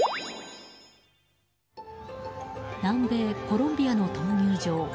南米コロンビアの闘牛場。